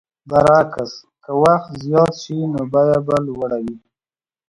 برعکس که وخت زیات شي نو بیه به لوړه وي.